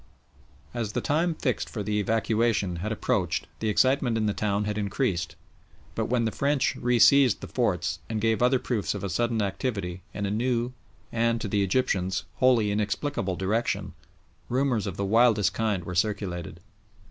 As the time fixed for the evacuation had approached the excitement in the town had increased, but when the French re seized the forts and gave other proofs of a sudden activity in a new and, to the Egyptians, wholly inexplicable direction, rumours of the wildest kind were circulated.